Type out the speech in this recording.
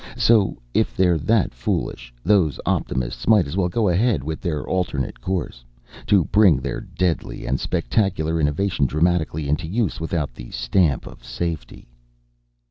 So, if they're that foolish, those optimists might as well go ahead with their alternate course: To bring their deadly and spectacular innovation dramatically into use without the stamp of safety!"